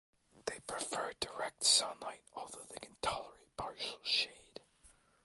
They prefer direct sunlight although they can tolerate partial shade.